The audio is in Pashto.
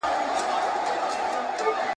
خو کوتري تا چي هر څه زېږولي !.